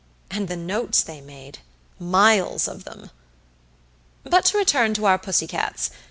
And the notes they made! miles of them! But to return to our pussycats.